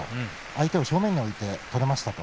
相手を正面に置いて取れました。